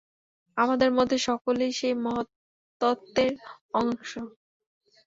আমাদের মধ্যে সকলেই সেই মহত্তত্ত্বের অংশ।